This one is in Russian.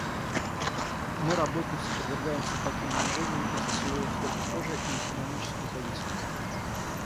Мы, работницы, подвергаемся таким унижениям из-за своего цвета кожи и экономической зависимости.